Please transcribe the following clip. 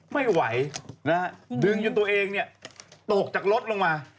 ไม่ไหวนะดึงอยู่ตัวเองนะเยอะตกจากรถลงมา